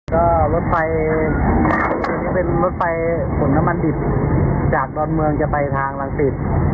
ก็รถไฟเป็นรถไฟกลุ่มน้ำมันดิบจากลอนเมืองจะไปทางหลังศีรษฐ์